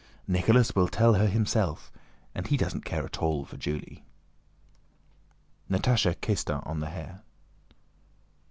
Nicholas will tell her himself, and he doesn't care at all for Julie." Natásha kissed her on the hair.